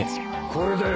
これだよ